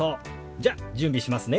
じゃ準備しますね。